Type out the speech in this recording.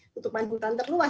kutupan hutan terluas